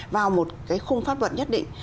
vào một cái khung pháp luật nhất định